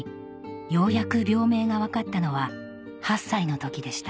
ようやく病名が分かったのは８歳の時でした